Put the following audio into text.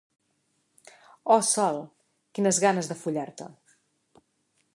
Oh, Sol, quines ganes de follar-te!